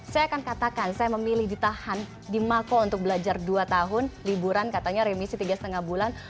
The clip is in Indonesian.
saya akan katakan saya memilih ditahan di mako untuk belajar dua tahun liburan katanya remisi tiga lima bulan